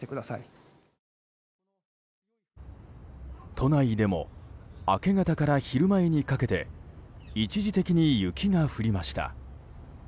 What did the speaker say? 都内でも明け方から昼前にかけて一時的に雪が降りました。